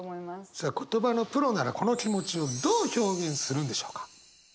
さあ言葉のプロならこの気持ちをどう表現するんでしょうか。